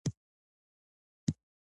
که غرونه وساتو نو سیلابونه نه راځي.